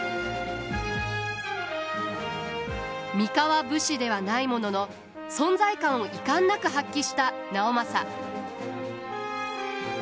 三河武士ではないものの存在感を遺憾なく発揮した直政。